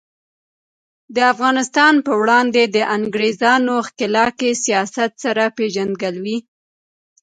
د افغانستان په وړاندې د انګریزانو ښکیلاکي سیاست سره پیژندګلوي.